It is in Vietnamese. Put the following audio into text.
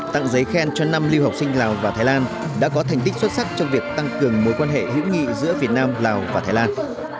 tặng giấy khen cho năm lưu học sinh lào và thái lan đã có thành tích xuất sắc trong việc tăng cường mối quan hệ hữu nghị giữa việt nam lào và thái lan